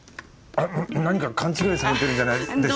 あの何か勘違いされてるんじゃないですか。